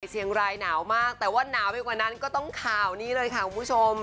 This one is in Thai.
เชียงรายหนาวมากแต่ว่าหนาวไปกว่านั้นก็ต้องข่าวนี้เลยค่ะคุณผู้ชม